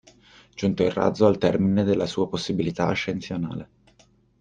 Giunto il razzo al termine della sua possibilità ascensionale.